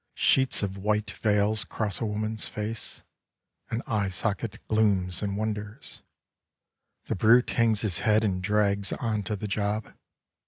Sheets of white veils cross a woman's face. An eye socket glooms and wonders. The brute hangs his head and drags on to the job.